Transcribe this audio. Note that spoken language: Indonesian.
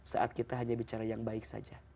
saat kita hanya bicara yang baik saja